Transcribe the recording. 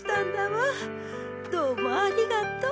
どうもありがとう。